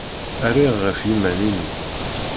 Rriɣ ɣef yiman-inu.